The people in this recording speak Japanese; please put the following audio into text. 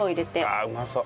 あうまそう。